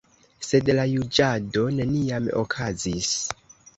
Sed la juĝado neniam okazis.